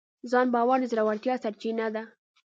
ځان باور د زړورتیا سرچینه ده.